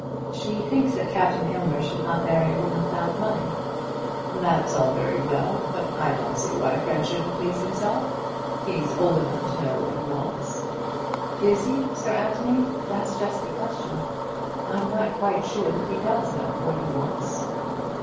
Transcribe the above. "She thinks that Captain Aylmer should not marry a woman without money." "That's all very well; but I don't see why Fred shouldn't please himself. He's old enough to know what he wants." "Is he, Sir Anthony? That's just the question. I'm not quite sure that he does know what he wants."